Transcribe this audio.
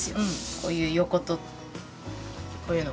こういう横とこういうの。